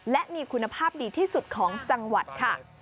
และมีคุณภาพดีที่สุดของจังหวัดค่ะ